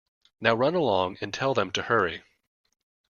Now run along, and tell them to hurry.